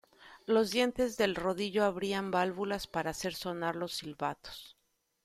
Los dientes del rodillo abrían válvulas para hacer sonar los silbatos.